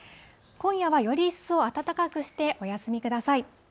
今夜はより一層暖かくしてお休みください。